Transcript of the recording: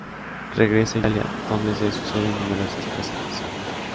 Regresa a Italia, donde se suceden numerosas presentaciones.